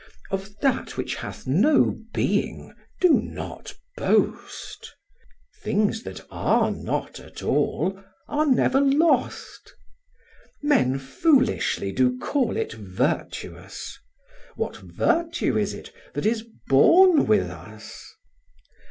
Of that which hath no being, do not boast: Things that are not at all, are never lost. Men foolishly do call it virtuous: What virtue is it, that is born with us?